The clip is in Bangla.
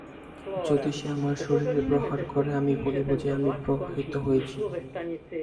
যদি সে আমার শরীরে প্রহার করে, আমি বলিব যে, আমি প্রহৃত হইয়াছি।